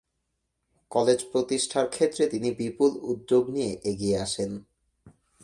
College প্রতিষ্ঠার ক্ষেত্রে তিনি বিপুল উদ্যোগ নিয়ে এগিয়ে আসেন।